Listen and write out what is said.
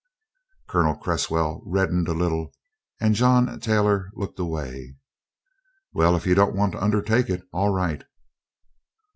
Colonel Cresswell reddened a little, and John Taylor looked away. "Well, if you don't want to undertake it, all right."